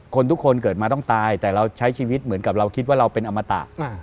ทุกคนเกิดมาต้องตายแต่เราใช้ชีวิตเหมือนกับเราคิดว่าเราเป็นอมตะ